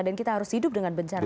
dan kita harus hidup dengan bencana